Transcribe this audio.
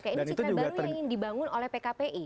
ini cerita baru yang dibangun oleh pkpi